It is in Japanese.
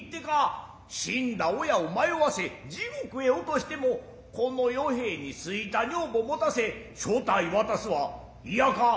死んだ親を迷わせ地獄へ落してもこの与兵衛に好いた女房持たせ世帯渡すはいやか。